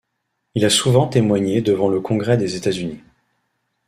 Il a souvent témoigné devant le Congrès des États-Unis.